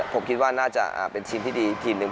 ผมคิดว่าน่าจะเป็นทีมที่ดีอีกทีมหนึ่ง